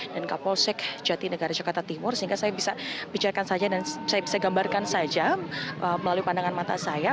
dan kapolsek jati negara cekata timur sehingga saya bisa bicarkan saja dan saya bisa gambarkan saja melalui pandangan mata saya